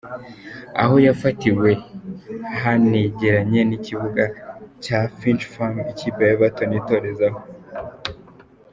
Aho yafatiwe hanegeranye n’ikibuga cya Finch Farm ikipe ya Everton yitorezaho.